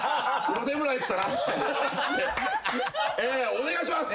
お願いします！